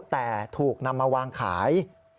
แต่ถูกนำมาวางขาย